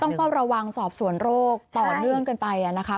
เฝ้าระวังสอบสวนโรคต่อเนื่องกันไปนะคะ